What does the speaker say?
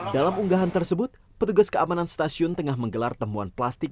dalam unggahan tersebut petugas keamanan stasiun tengah menggelar temuan plastik